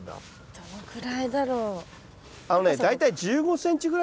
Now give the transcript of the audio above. どのくらいだろう？